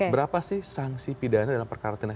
berapa sih sangsi pidana dalam perkara